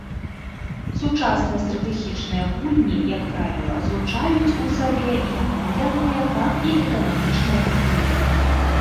Сучасныя стратэгічныя гульні, як правіла, злучаюць у сабе як ваенныя, так і эканамічныя прыкметы.